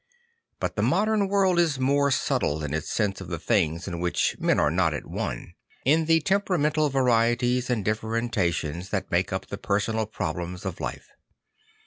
But the modem world is more subtle in its sense of the things in which men are not at one; in the temperamental varieties and differen tia tions that make up the personal pro b lems of life.